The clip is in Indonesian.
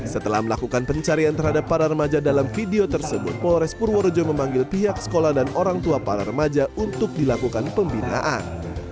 setelah melakukan pencarian terhadap para remaja dalam video tersebut polres purworejo memanggil pihak sekolah dan orang tua para remaja untuk dilakukan pembinaan